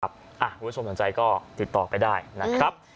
คุณผู้ชมสนใจก็ติดต่อไปได้นะครับ